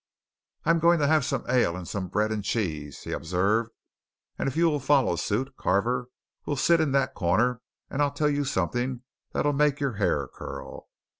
"I'm going to have some ale and some bread and cheese," he observed, "and if you'll follow suit, Carver, we'll sit in that corner, and I'll tell you something that'll make your hair curl.